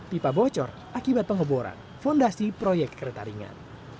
pipa bocor akibat pengeboran fondasi proyek kereta ringan